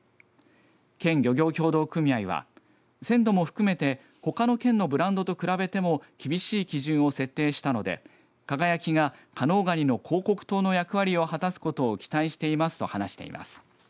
県漁業協同組合は鮮度も含めてほかの県のブランドと比べても厳しい基準を設定したので輝が加能ガニの広告塔の役割を果たすことを期待していますと話しています。